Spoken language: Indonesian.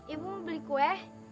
ibu mau beli kue